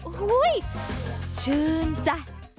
อู้หู้ยชื่นจ้ะ